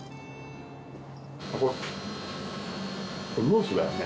これこれムースだよね？